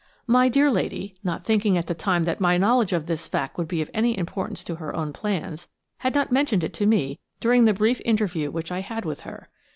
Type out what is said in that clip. My dear lady–not thinking at the time that my knowledge of this fact would be of any importance to her own plans–had not mentioned it to me during the brief interview which I had with her.